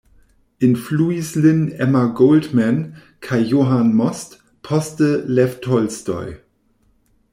Influis lin Emma Goldman kaj Johann Most, poste Lev Tolstoj.